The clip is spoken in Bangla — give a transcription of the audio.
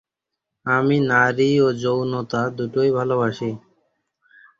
আমি নারী ও যৌনতা দুটোই ভলোবাসি।